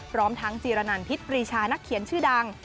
พร้อมทั้งจีรนันพิษปรีชานักเขียนชื่อดัง